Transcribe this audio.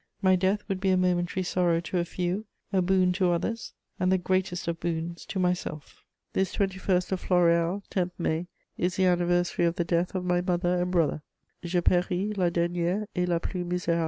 My death would be a momentary sorrow to a few, a boon to others, and the greatest of boons to myself. "This 21st of Floréal, 10 May, is the anniversary of the death of my mother and brother: Je péris la dernière et la plus misérable!